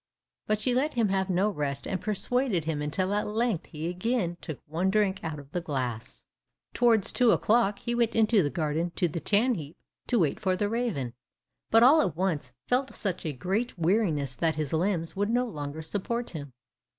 But she let him have no rest and persuaded him until at length he again took one drink out of the glass. Towards two o'clock he went into the garden to the tan heap to wait for the raven, but all at once felt such a great weariness that his limbs would no longer support him.